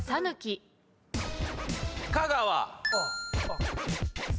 香川。